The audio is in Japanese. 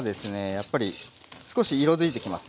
やっぱり少し色づいてきますね。